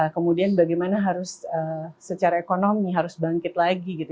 kemudian bagaimana harus secara ekonomi harus bangkit lagi gitu